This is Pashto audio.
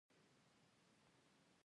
مخامخ يې د پوليسو پوستې ته نظر واچوه.